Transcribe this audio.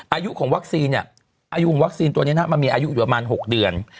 อายุของวัคซีนตัวเนี่ยมันมีอายุอยู่ประมาณ๖เดือน